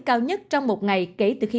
cao nhất trong một ngày kể từ khi